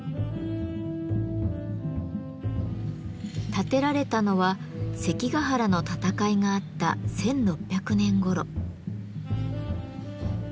建てられたのは関ヶ原の戦いがあった１６００年ごろ。